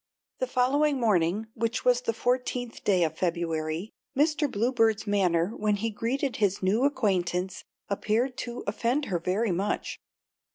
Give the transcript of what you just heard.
The following morning, which was the fourteenth day of February, Mr. Bluebird's manner when he greeted his new acquaintance appeared to offend her very much.